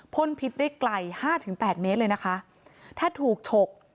พ่นพิษได้ไกล๕๘เมตรเลยนะคะถ้าถูกฉก